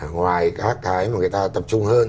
ngoài các cái mà người ta tập trung hơn